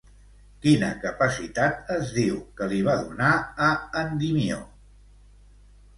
Quina capacitat es diu que li va donar a Endimió?